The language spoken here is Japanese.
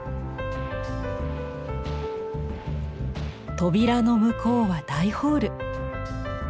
扉の向こうは大ホール。